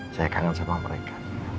saya kangen sama mereka